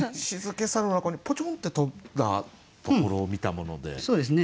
静けさの中にポチョンって跳んだところを見たもので。